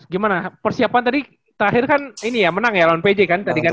gimana persiapan tadi terakhir kan ini ya menang ya lawan pj kan tadi kan